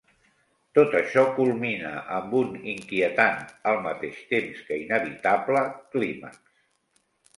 Tot això culmina amb un inquietant, al mateix temps que inevitable, clímax.